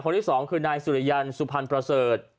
ที่สองคือนายสุริยันสุพรรณประเสริฐ